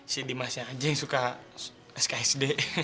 si dimas yang aja yang suka sksd